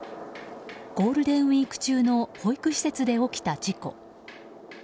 ゴールデンウィーク中の保育施設で起きた事故。